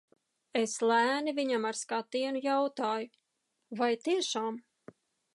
Es lēni viņam ar skatienu jautāju – vai tiešām?